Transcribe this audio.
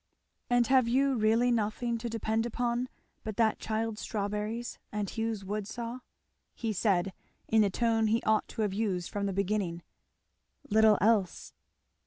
"And have you really nothing to depend upon but that child's strawberries and Hugh's wood saw?" he said in the tone he ought to have used from the beginning. "Little else."